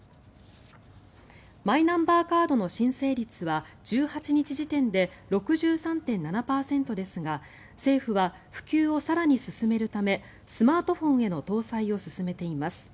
マイナンバーカードの申請率は１８日時点で６３．７％ですが政府は普及を更に進めるためスマートフォンへの搭載を進めています。